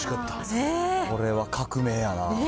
これは革命やな。